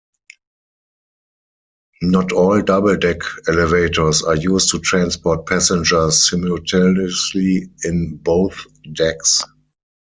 Not all double-deck elevators are used to transport passengers simultaneously in both decks.